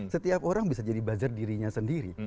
setiap orang bisa jadi buzzer dirinya sendiri